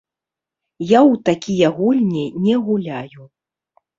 Я ў такія гульні не гуляю.